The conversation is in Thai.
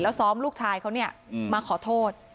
แล้วซ้อมลูกชายเขามาขอโทษ